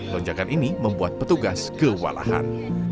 lonjakan ini membuat petugas kewalahan